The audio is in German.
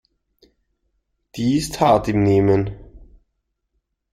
Die ist hart im Nehmen.